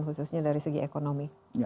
khususnya dari segi ekonomi